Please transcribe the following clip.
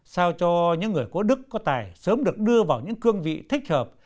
sao cho những người có đức có tài sớm được đưa vào những cương vị thích hợp